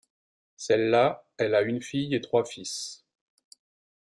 Celle-là elle a une fille et trois fils.